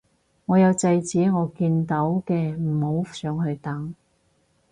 我有制止我見到嘅唔好上去等